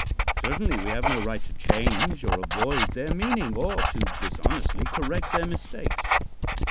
Certainly we have no right to change or avoid their meaning, or to dishonestly correct their mistakes.